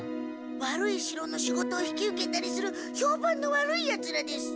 悪い城の仕事を引き受けたりするひょうばんの悪いヤツらです。